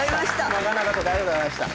長々とありがとうございました。